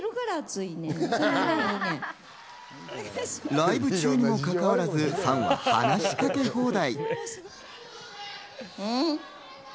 ライブ中にもかかわらず、ファンは話し掛け放題。